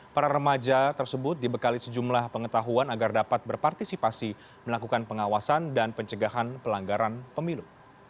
para remaja tersebut dibekali sejumlah pengetahuan agar dapat berpartisipasi melakukan pengawasan dan pencegahan pelanggaran pemilu